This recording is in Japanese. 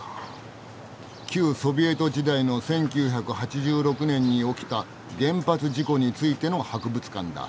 旧ソビエト時代の１９８６年に起きた原発事故についての博物館だ。